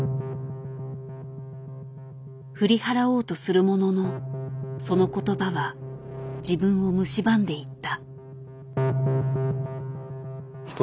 振り払おうとするもののその言葉は自分をむしばんでいった。